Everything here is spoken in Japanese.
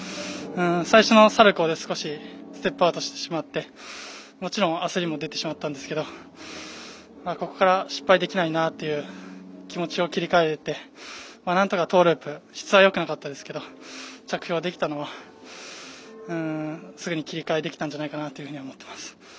最初のサルコーで少しステップアウトしてしまってもちろん焦りも出てしまったんですけどここから、失敗できないなという気持ちを切り替えてなんとかトーループ質はよくなかったですけど着氷できたのはすぐに切り替えができたんじゃないかなと思ってます。